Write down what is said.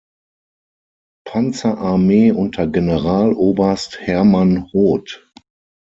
Panzerarmee unter Generaloberst Hermann Hoth.